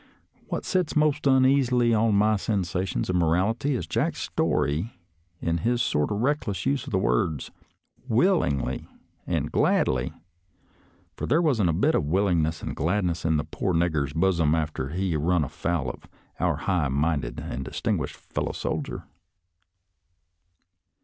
What sits most uneasily on my sensations of morality in Jack's story is his sorter recltless use of the words ' willingly ' and ' gladly/ fur there wan't a bit o' willingness an' gladness in the poor nigger's bosom after he run afoul of our high minded and distinguished fellow soldier.